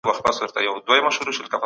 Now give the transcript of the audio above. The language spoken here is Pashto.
جامد فکرونه پرمختګ نسي راوستلای.